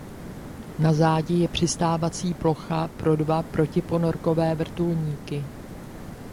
Na zádi je přistávací plocha pro dva protiponorkové vrtulníky.